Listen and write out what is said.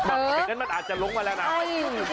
อย่างนั้นมันอาจจะล้มมาแล้วนะ